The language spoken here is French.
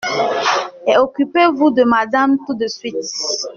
Et occupez-vous de madame tout de suite.